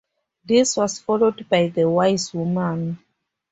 This was followed by "The Wise Woman".